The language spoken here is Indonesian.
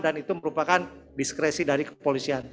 dan itu merupakan diskresi dari kepolisian